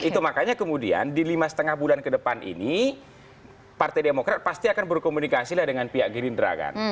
itu makanya kemudian di lima lima bulan ke depan ini partai demokrat pasti akan berkomunikasi dengan pihak gerindra kan